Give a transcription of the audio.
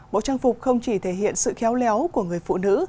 bộ trang phục không chỉ thể hiện sự khéo léo của người phụ nữ